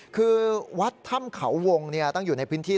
คือวัดถ้ำเขาวงตั้งอยู่ในพื้นที่